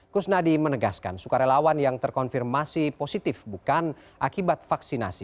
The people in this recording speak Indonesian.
kusnadi menegaskan sukarelawan yang terkonfirmasi positif bukan akibat vaksinasi